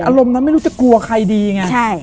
อารมณ์นั้นไม่รู้จะกลัวใครดีไง